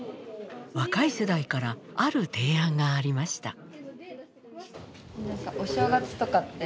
若い世代からある提案がありました。